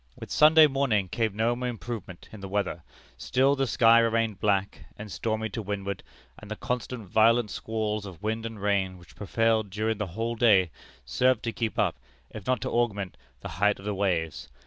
"With Sunday morning came no improvement in the weather; still the sky remained black and stormy to windward, and the constant violent squalls of wind and rain which prevailed during the whole day served to keep up, if not to augment, the height of the waves.